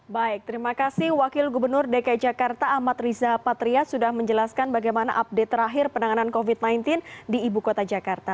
baik terima kasih wakil gubernur dki jakarta ahmad riza patria sudah menjelaskan bagaimana update terakhir penanganan covid sembilan belas di ibu kota jakarta